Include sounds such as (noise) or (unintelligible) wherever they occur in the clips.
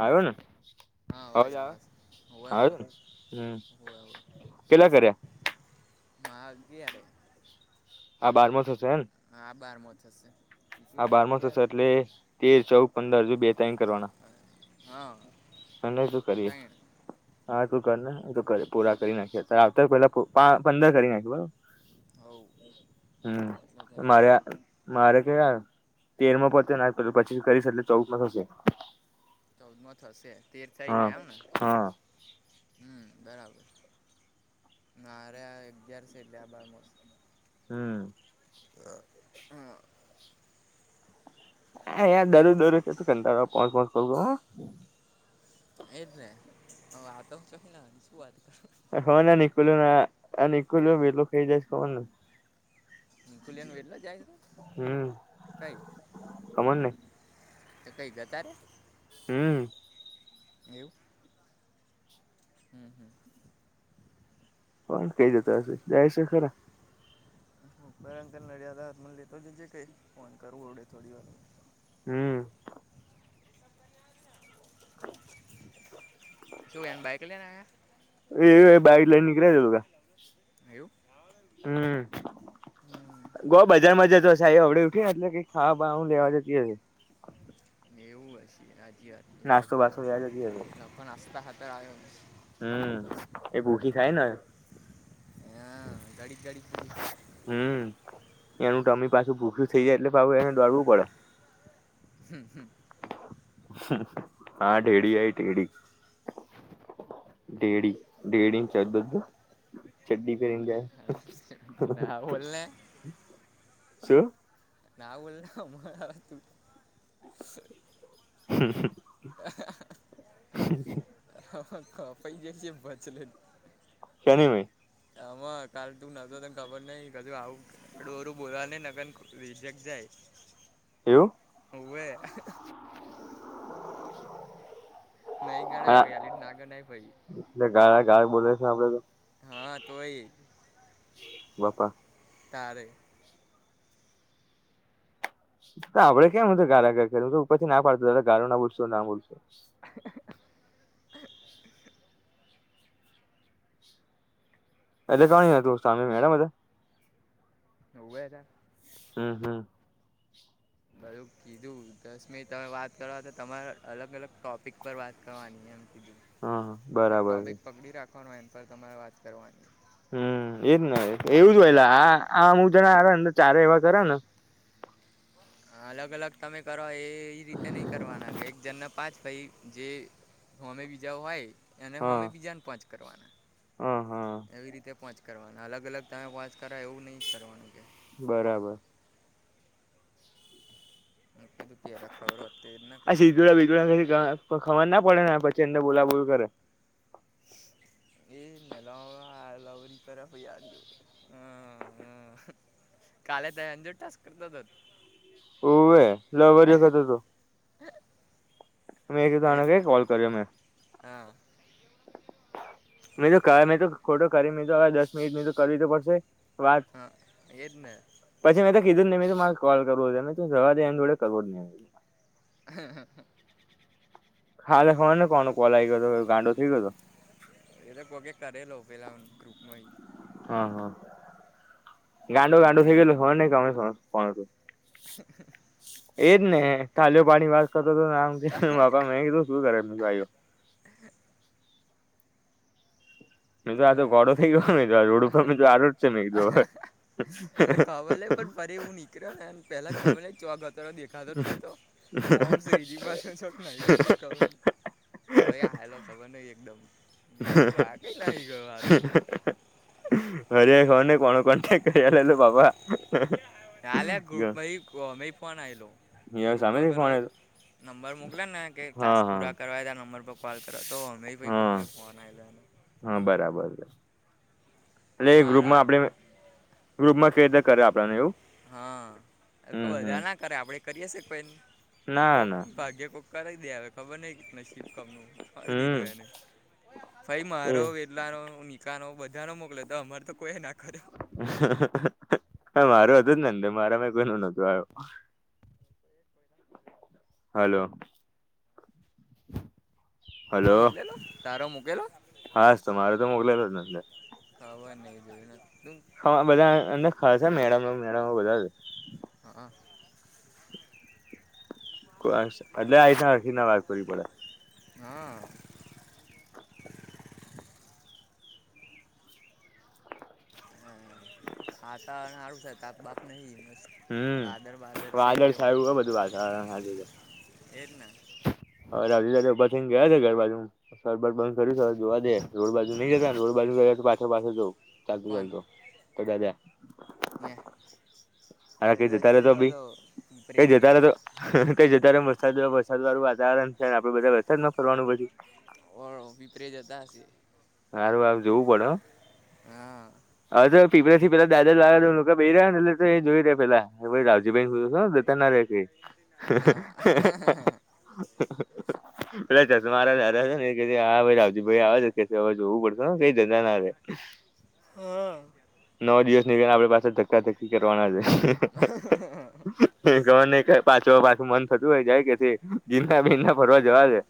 આયો ને? હા અવાજ આયો? આવે હોવે આવે હોવે છે ને? હમ હોવે હોવે કેટલા કર્યા? મારા અગિયાર હે. આ બારમો થશે હેન? હા આ બારમો થશે. કીધું ને બારમો અગિયાર થશે એટલે તેર, ચૌદ, પંદર હજુ બે તઈ કરવાના હા તને શું કરીએ. ત્રણ હા તું કર ને કરે પૂરા કરી નાખે આવતા પેલા પંદર કરી નાખે બરોબર. હોવ. હમ્મ એટલે થઈ જાય ને મારા. મારે કેય તેરમાં પોતે ના પેલું પચીસ કરી શકે ચૌદ માં થશે. ચૌદ મા થશે તેર થઇ હા ગયા એમને. હા હમ્મ બરાબર મારે આ અગિયાર છે એટલે આ બાર મોશે. હમ્મ. (inaudible) હા યાર દરોજ દરોજ કેટલો કંટાળો આવે ફોન ફોન કરવો. એજ ને હ વાતો હું છુકના શું વાત કરું. (inaudible) હા ખુલે ને એટલે જાય છે હમ કાય. ખબર ને ત કઈ ગયા અતારે. હમ્મ. એવુ. હમ્મ હમ્મ. ફોન તો કેયરો હશે જાય છે ખરા. (inaudible) હમ્મ. શું એન બાઈક લઈને આયા. એ બાઈક લઈને નીકળ્યા છે ઓલા. એવું. હમ્મ. હમ. ગો બજારમાં જતો સાહી ઓડર ઉઠીને એટલે કે ખાવા બાઉ હું લેવા જતી હશે. મે ઉ આચી આજીવાત નાસ્તો લખો બાસ્તો લેવા જતી લખો નાસ્તા હા હાતર આવ્યો. હમ્મ એ ભૂખી થાય ને. હા ઘણી ધણી ભુખી થઈ જાય. હમ એનું ટમી પાછું ભૂખું થઇ જાય એટલે ભ એને દોડવું પડે. હમ્મ હમ્મ. હમ્મ હમ્મ આ ટેડી આઈ ટેડી. (inaudible) ના બોલ (unintelligible) ને શું. ના બોલને આમારા વસ્તુ. હમ્મ હમ્મ. હા હા. હ હ કપાઈ જશે ભચલન. શેની વે. હમાં કાલ તું નતો તને ખબર નહિ કશું આવું રું બોલવા ની નગન. રિજેક્ટ જાય. એવું. હોવે. હ (inaudible) નઈ ગણાય વેલીટ ના ગણાય ભઈ. એટલે ગાયળ ગાય બોલે છે આપડે તો. હા તોય. બાપા. તારે. તો આપડે કેમ હતું ગારા ગ કરો ઉપરથી ના પાડતો તો ગારો ના બોલશો ના બોલશો. એટલે કોન હતું સામે મેડમ હતા. હોવે હતા. હમ હમ. બલું કીધું દસ મિનિટ તમે વાત કરવા તો તમારા અલગ અલગ ટોપિક પર વાત કરવાની એમ કીધું હા એક તો બરાબર આ બેગ છે પગડી રાખવાનો એમ પર તમારે વાત કરવાની. હમ્મ, એજ ને એવું જ ને હોય લા આ આ હું જણા આ ને ચારે એવા કરેને. હ અલગ-અલગ તમે કરો એ રીતે નહીં કરવાનાં કે એક જણને પાંચ પહી જે હોમે બીજા હોય એને હા હોમે બીજાને પાંચ કરવાનાં. હા હા એવી રીતે પોંચ કરવાના અલગ-અલગ તમે પાંચ કરો એવું નહીં કરવાનું કે. બરાબર. મેં કીધું પહેલા ખબર હોત તો એ જ ના આ કરો સિધુળા બિધુળા ગા ખબર ના પડેને પછી અંદર બોલાબોલ કરે. એ લવવાળા આ લવરી કરે પહી આ જો. અ હ કાલે તઈ આન જોડે જ ટાસ્ક કરતો તોન. ઓવે લવારિયો કરતો હતો. મેં કીધું એ આને કઈ કોલ કર્યો મેં. હા મે તો કા મેં તો ખોટો કરી મેં તો હવે દસ મિનિટ તો કરવી તો પડશે. વાત હા, એજને. પછી મેં તો કીધું નઈ મેં તો મારે કોલ કરવો છે એટલે શું જવા દે એન જોડે કરવો જ નહીં. હે હ હ. ખાલે ખબર નઈ કોનો કોલ આઈ ગયો તો ગાંડો થઈ ગયો હતો. એ તો કોકે કરેલો પેલામ ગ્રુપમાંહી. હ હ ગાંડો ગાંડો થઈ ગયલો ખબર નઈ કોનો ફોન હતો. એજ ને તાલીઓ પાડી વાત કરતો હતો ને આમ છે બાપા મેં કીધું શું કરે ભાઈઓ? મેં તો આ અ તો ગોડો થઈ ગયો મેં કીધું રોડ ઉપર આરોટશે મેં કીધું હવે. એટલે ખબર નહીં પણ ફરી એવું નીકળ્યોને એમ પેહલાં ખબર નહીં ન. ચોક હતો એટલે દેખાતો જ નતો ઓમ શ્રીજી પાસે છોકના રી ખબર. કઈ આયેલો ખબર નહીં એકદમ મેં કીધું આ કઈ નાહી ગયો હારો. હરીયાએ ખબર નહીં કોને કોન્ટેક્ટ કરી લ બાબા. ન્યા લા ગ્રુપમાં હી ગોમેય ફોન આયલો ગ્રુપમાં સામેથી પેલો ફોન નંબર મોકલેને કે ટાસ્ક હા હા પૂરા કરવા છે આ નંબર પર કોલ કરો તો હોમેય પહી હા કોઈકને ફોન આયલો એને. હા બરાબર. એટલે એ ગ્રુપમાં આપડે એવું હ ખ હમ હમ બધાનાં કરે આપણે કરીએ છીએ કોઈન ના કોક ના ભાગ્યે કોક કરાઈ દે અવે. ખબર નહીં ને શિબ કામનું મારી હમ દીધું એને પહી મારો એ લારો નિકાનો બધાનો મોકલે તો અમારે તો કોઈએ ના કર્યો. હ મારું હતું જ ને અંદર મારામાંય કોઈનો નતો આયો. હલો. તારો હલો મોકલેલો તારો મૂકેલો હાસ તો મારે તો મોકલાયલો જ ને અંદર. ખબર નઈ જોયું નતુ. અમાર બધાં ખાસા મેળામાં મેળામાં બધાં હા. એટલે આ રાખીને વાત કરવી પડે. હા. વાતાવરણ હારુ છે તાપ બાપ નહીં મસ્ત. વાદર હમ્મ વાદર છે વાદળ એટલે સાયુ હે બધું વાતાવરણમાં આજે. એજ ને. હવે દાદા દાદી ઊભા થઈન ગયા છે ઘર બાજુ. ઘર બર બંધ કર્યું સારું જોવા દે રોડ બાજુ નઈ જતાને રોડ બાજુ ગયા હોય તો પાછળ પાછળ જો. ચાલતો કોણ ચાલતો ઓ દાદા. એ હવે કઈ જતાં જશે રહેેજો કો ભઈ તો પીપરે કઈ જતા રહો છો? કંઈ જતાં રે આમ વરસાદ વરસાદવાળું વાતાવરણ છે આપડે બધાં એ વરસાદમાં ફરવાનું પછી. ઓ વિપરે જતા હશે હારું હારું જોવું પડે હા. હવે તો પીપળ થી પેલા દાદર લાગે લોકો બેહી રહ્યા એટલે તો એ જોઈ રહ્યા પેલા રાવજી ભઈ. હા (unintelligible) પેલા ચશ્માંવાળા દાદા છે ને એ કહે હા ભાઈ રાવજી આવે તે હવે જવું પડશે. તો કંઈ જતા ના રહે. હા. નવ દિવસ નીકડે આપડે પાસા ધક્કાધક્કી કરવાના છે. પાછો પાછું મન થતું હોય જાય કે દીના બી ના ફરવા જવા દે.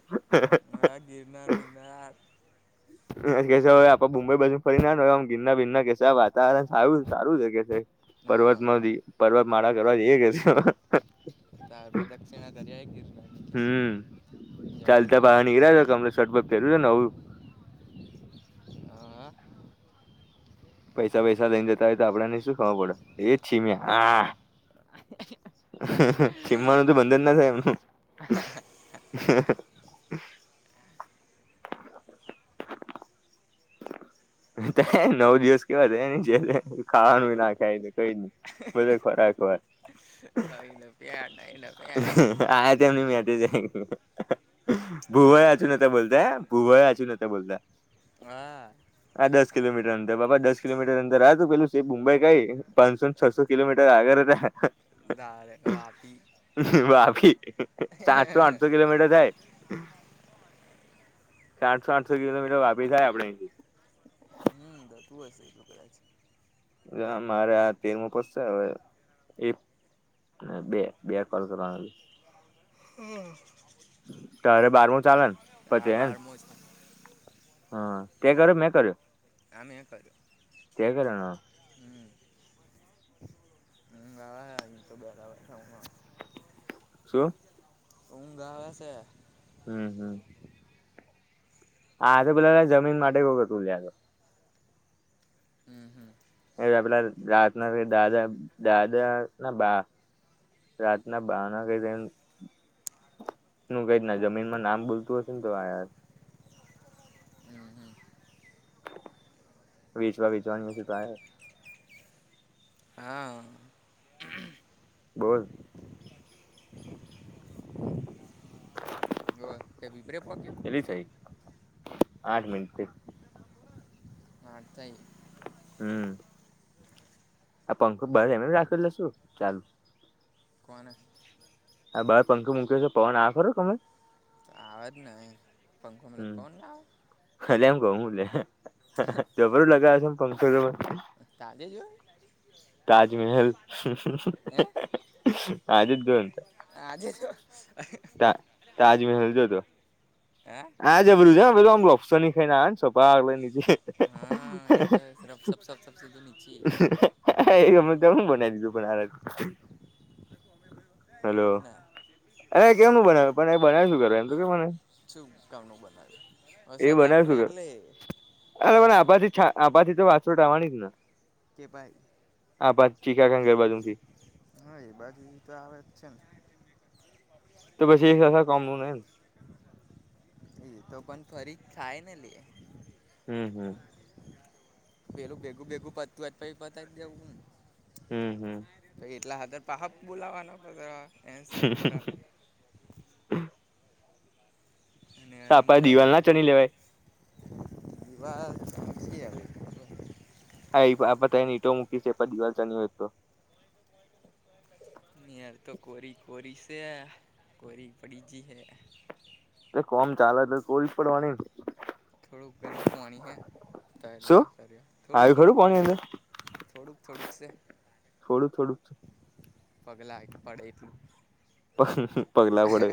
હા ગિરનાર બિરનાર. એ કેવે આપે મુંબઈ બાજુ ફરી ના શકાય આ ગીરનાર બિરનાર કે આ વાતાવરણ સારું સારું છે કે. હા પર્વતમાં પર્વત માળા કરવાથી કે તાર પ્રદક્ષિણા કર્યા ગિરનાની. હમ ચાલતા બહાર નીકળ્યાજો કમલે શટબટ પેર્યું છે નવું. હા. પૈસા બૈસા લઈને જતા હોય તો આપડને શું ખર પડે એજ છીમિયા હા. ચીમમાણું તો બંધન ના થાય એમનું. હ. નવ દિવસ કેવા તને જે ખાવાનું ના ખાય કઈ નઈ. બધો ખોરાક હોય. (unintelligible) આજ એમની મેરેજ હૈ ભુવાય હાચું આદર નતા બોલતા. ને ભૂવાય હાચુ નતા બોલતા. હા. આ દસ કિલોમીટર અંદર બાપા દસ કિલોમીટર અંદર આ ત પેલું મુંબઈ કઈ. પાંચસો ને છસો કિલોમીટર આગળ હતા. ડાયરેક્ટ વાપી. વાપી સાતસો આઠસો કિલોમીટર થાય. સાઠસો આઠસો કિલોમીટર વાપી થાય આપડેથી. હતું હશે એટલું. મારે આ તેરમાં. (unintelligible) અને બે બે કોલ કરવાના હજુ. હા. તારે બારમું ચાલેને આ પછી. બારમો છે હા તે કર્યું મેં કર્યું. આ મેં કર્યું. તે કર્યો ને. હમ્મ. ઊંઘ આવે હે આજ તો બરાબર ઊંઘમાં. શું. ઊંઘ આવેે છે. હમ્મ હમ્મ. આ તો પેલા જમીન માટે એવુ હતું. હમ હમ એ આપલા રાતના દાદા દાદા ના બા. રાતના બાર તો એનું. શું કઈ ના જમીનમાં નામ બોલતું હશે ને તો આયા છે. હમ્મ હમ્મ. વેચવા વેચવાની હશે તો આયા. હા. બોલ. કે બી બ્રે પોકયો. થી આઠ મિનિટથી. આજ. હમ, આ પંખ ભાઈ એમ રાખેલા શું ચાલુ. કોન? આ બાર પંખ મૂક્યો છે, પવન આ ખરો તમે? આવાજ નહી, પંખો મ ફોન ના આવે. ખાલે એમ કઉ લ જબર લગાવ છે, મ પંક્માં. તાજે જો હોય. તાજમહેલ. હે આજ જ દો આજે જો તો. તાજમહેલ જો હતો. હે. આજે બોલુંજલમ લફ્શો ની ખાઈ ના, સોભ આગલે જે. હા એ સફ સ સ સથીધુની છીએ (unintelligible) હ એ ગ તો હ બનાવી દીધું પણ આના (unintelligible) હેલો, ના અ કેમું બનાવ્યું, પણ એ બનાવ શું કરે, એમ તો કે મને શું ગામ ન બનાવે, એ વરસાદ ના બનાવે પડે, શું કર એટલે થોડા આ બાછી તો વાછોટાવાની જ ને. કે ભાઈ. હા, પછચીખા ખ કરે બાજુ થી. હા, એ બાજુ તો આવે જ છે ને. તો પછી એક કોમનને. એ તો પણ ફરી ખાય ને લિ. હમ, હમ. પેલું ભેગું ભેગું પતું જ પ પતા જ દવું. હમ હમ એટલા હાર પાપ બોલાવાના. તો આપડે દિવાલ ના ચણી લેવાય. એભાર જી આવે. હા, એ એ ઈટો મૂકી છે, દિવાલ ચાની હોય તો. યાર તો કોરી કોરી સ હૈ, કોરી પડી જી હૈ. એ કામ ચાલે તો, કોઈ પડવાની. થોડું ઘણું પાણી છે, શું આવ્યું થોડુ-થોડું ખરું પાણી અંદર થોડું-થોડું છે. થોડું-થોડું. પગલાથી. પગલા પડે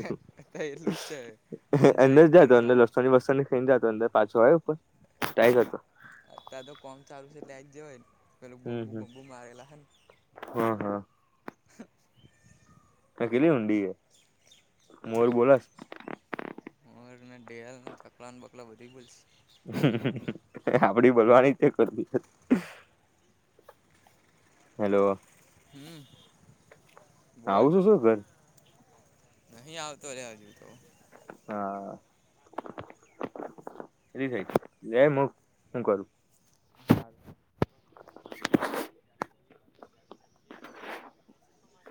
તો એટલું જ છે પંજાય અંદર જ ઉપર જાય તો, ના અંદર આવે લસવાની-વસવાની અંદર પાછો આવે, ઉપર ટાઈટ હતો. અત્યારે તો કામ ચાલું છે, લઈ જ હોય ને, પેલું હમ હમ બમ્બુ-બમ્બુ મારેલા ને? હા, હા. કેટલી ઉડી એ મોર બોલાસ. હવે ના ચકલા બકલા બધી ભૂલશે. આપણે બોલવાની તે કર હતી. હેલો. હમ્મ, બોલ? આવું છું શું ઘર નહીં આવતો, રે હજુ તો. હા. શું કરું? (unintelligible) (unintelligible)